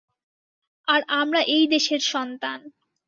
আর আমরা এই দেশের সন্তান।